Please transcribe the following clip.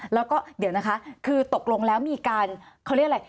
แล้วก็เดี๋ยวนะคะคือตกลงแล้วมีการเขาเรียกอะไร